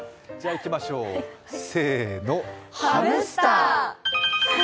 いきましょう、せーのハムスター！